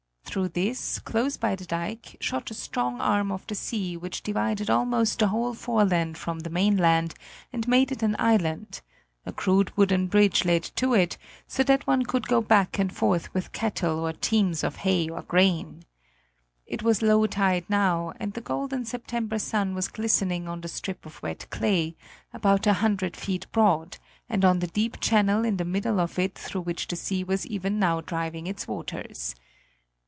Through this, close by the dike, shot a strong arm of the sea which divided almost the whole foreland from the mainland and made it an island; a crude wooden bridge led to it, so that one could go back and forth with cattle or teams of hay or grain. It was low tide now, and the golden September sun was glistening on the strip of wet clay, about a hundred feet broad, and on the deep channel in the middle of it through which the sea was even now driving its waters.